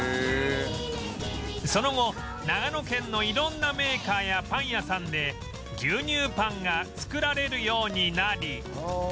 その後長野県の色んなメーカーやパン屋さんで牛乳パンが作られるようになり